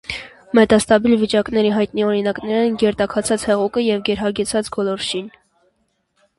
Մետաստաբիլ վիճակների հայտնի օրինակներ են գերտաքացած հեղուկը և գերհագեցած գոլորշին։